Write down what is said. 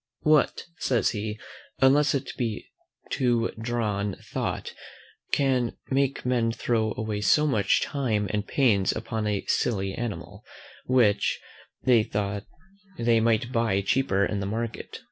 What, says he, unless it be to drown thought, can make men throw away so much time and pains upon a silly animal, which they might buy cheaper in the market?